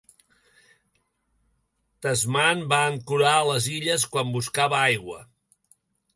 Tasman va ancorar a les illes quan buscava aigua.